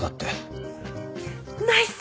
ナイス！